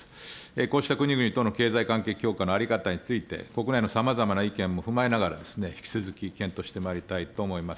こうした国々との経済関係強化の在り方について国内のさまざまな意見も踏まえながら、引き続き検討してまいりたいと思います。